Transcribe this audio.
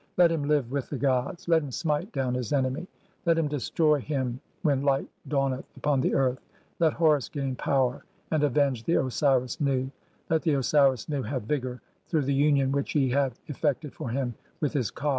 Let him live with the gods, "let him smite down his enemy, let him destroy [him] (23) "when light dawneth upon the earth, let Horus gain power "and avenge the Osiris Nu, let the Osiris Nu have vigour through "the union which ye have effected for him with his ka.